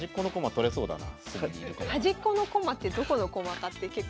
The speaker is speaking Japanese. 取れそうだな。